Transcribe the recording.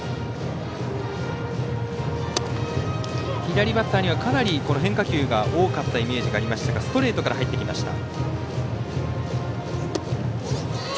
左バッターにはかなり変化球が多かったイメージがありましたがストレートから入ってきました。